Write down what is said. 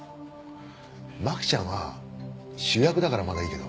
マキちゃんは主役だからまだいいけど。